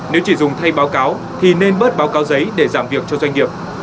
nếu chỉ dùng thay báo cáo thì nên bớt báo cáo giấy để giảm việc cho doanh nghiệp